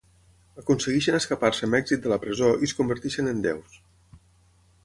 Aconsegueixen escapar-se amb èxit de la presó i es converteixen en déus.